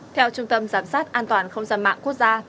theo trung tâm giám sát an toàn không gian mạng quốc gia